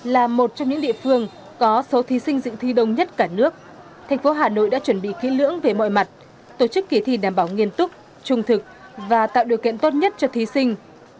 là một trong những địa phương có số thí sinh dự thi đông nhất cả nước thành phố hà nội đã chuẩn bị kỹ lưỡng về mọi mặt tổ chức kỳ thi đảm bảo nghiêm túc trung thực và tạo điều kiện tốt nhất cho thí sinh